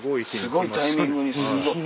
すごいタイミングに。